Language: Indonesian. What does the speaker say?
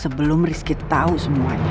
sebelum rizky tau semuanya